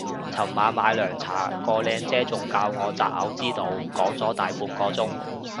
尋晚買涼茶個靚姐仲教我擇偶之道講咗大半個鐘